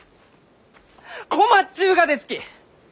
困っちゅうがですき！